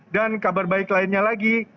dan kabar baik lainnya lagi